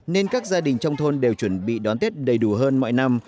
nên các gia đình trong thôn đều chuẩn bị đón tết đầy đủ hơn mọi năm